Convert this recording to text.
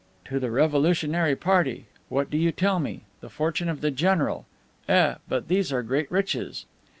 "To the Revolutionary Party! What do you tell me! The fortune of the general! Eh, but these are great riches."